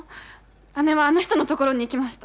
姉はあの人のところに行きました。